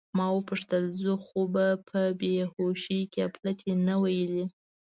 ما وپوښتل: زه خو به په بې هوښۍ کې اپلتې نه وم ویلي؟